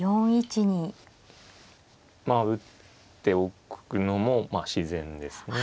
まあ打っておくのも自然ですね。